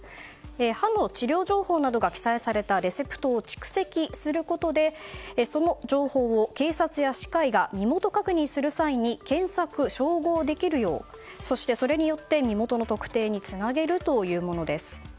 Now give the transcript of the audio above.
歯の治療情報などが記載されたレセプトを蓄積することでその情報を警察や歯科医が身元確認する際に検索・照合できるようそして、それによって身元の特定につなげるというものです。